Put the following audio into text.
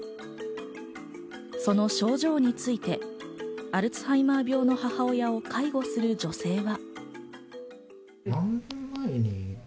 その症状についてアルツハイマー病の母親を介護する女性は。